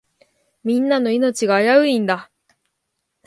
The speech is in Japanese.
みんなの命が危ういんだ。